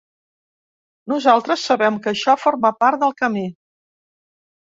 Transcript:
Nosaltres sabem que això forma part del camí.